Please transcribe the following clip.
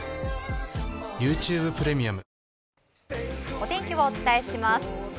お天気をお伝えします。